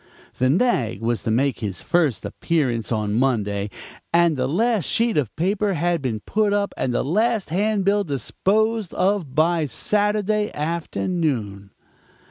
"The nag was to make his first appearance on Monday, and the last sheet of paper had been put up and the last hand bill disposed of by Saturday afternoon.